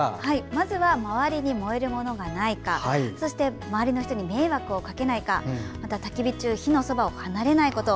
まずは周りに燃えるものがないかそして、周りの人に迷惑をかけないかまた、たき火中火のそばを離れないこと。